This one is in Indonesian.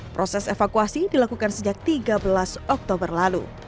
proses evakuasi dilakukan sejak tiga belas oktober lalu